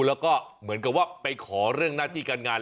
แล้วก็เหมือนกับว่าไปขอเรื่องหน้าที่การงาน